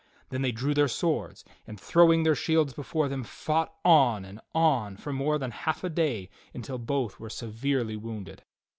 Then they drew their swords, and throwing their shields before them, fought on and on for more than half a day until both were severely wounded.